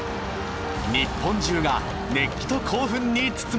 日本中が熱気と興奮に包まれた。